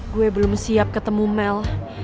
gue belum siap ketemu mel